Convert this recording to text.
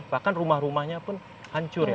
bahkan rumah rumahnya pun hancur